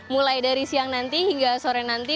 mulai dari siang nanti hingga sore nanti